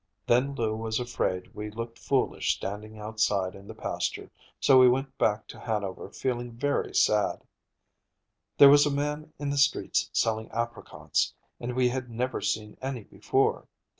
Then Lou was afraid we looked foolish standing outside in the pasture, so we went back to Hanover feeling very sad. There was a man in the streets selling apricots, and we had never seen any before.